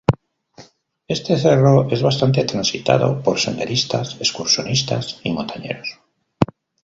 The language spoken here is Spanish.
Este cerro es bastante transitado por senderistas, excursionistas y montañeros.